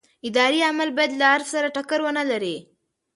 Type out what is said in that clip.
اداري عمل باید له عرف سره ټکر ونه لري.